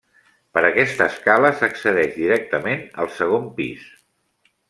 Per aquesta escala s'accedeix directament al segon pis.